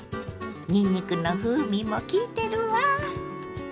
にんにくの風味もきいてるわ。